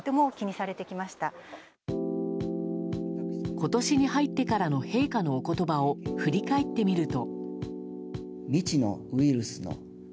今年に入ってからの陛下のおことばを振り返ってみると。